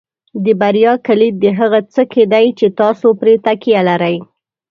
د بریا کلید د هغه څه کې دی چې تاسو پرې تکیه لرئ.